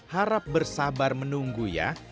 harap bersabar menunggu ya